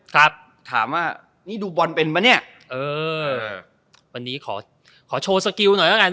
ครับถามว่านี่ดูบอลเป็นปะเนี่ยเออวันนี้ขอขอโชว์สกิลหน่อยแล้วกัน